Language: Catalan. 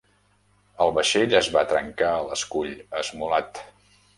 El vaixell es va trencar a l'escull esmolat.